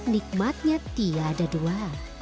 nikmatnya tiada dua